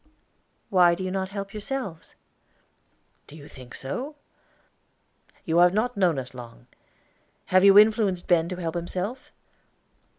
"Why do you not help yourselves?" "Do you think so? You have not known us long. Have you influenced Ben to help himself?"